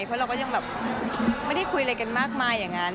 เพราะเราก็ยังแบบไม่ได้คุยอะไรกันมากมายอย่างนั้น